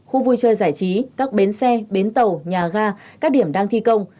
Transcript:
khu vui chơi giải trí các bến xe bến tàu nhà ga các điểm đang thi công